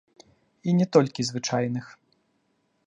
І не толькі звычайных.